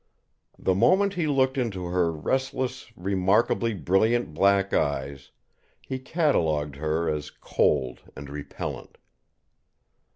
The moment he looked into her restless, remarkably brilliant black eyes, he catalogued her as cold and repellent.